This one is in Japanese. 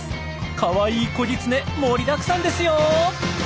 かわいい子ぎつね盛りだくさんですよ！